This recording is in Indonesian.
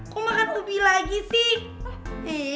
kok makan lebih lagi sih